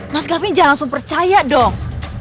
mas kavin jangan langsung percaya dong